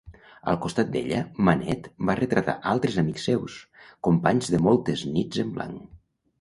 Al costat d'ella, Manet va retratar altres amics seus, companys de moltes nits en blanc.